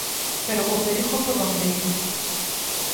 Pero co perigo por bandeira.